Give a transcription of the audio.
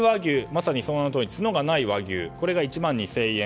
まさに、その名のとおり角のない和牛、１万２０００円。